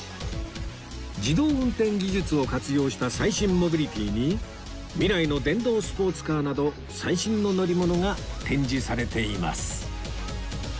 自動運転技術を活用した最新モビリティに未来の電動スポーツカーなど最新の乗り物が展示されています